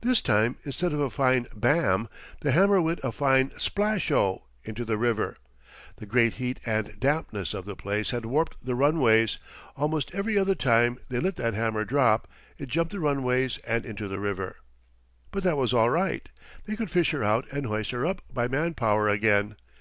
This time instead of a fine bam! the hammer went a fine splasho! into the river. The great heat and dampness of the place had warped the runways; almost every other time they let that hammer drop, it jumped the runways and into the river. But that was all right. They could fish her out and hoist her up by man power again.